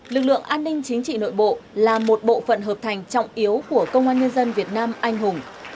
lực lượng an ninh chính trị nội bộ là một bộ phận hợp thành trọng yếu của công an nhân dân việt nam anh hùng